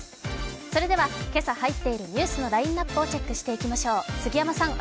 それでは、今朝入っているニュースのラインナップをチェックしていきましょう。